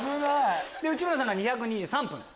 内村さんが２２３分。